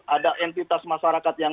ada entitas masyarakat yang